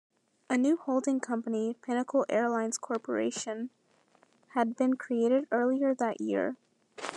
A new holding company, Pinnacle Airlines Corporation, had been created earlier that year.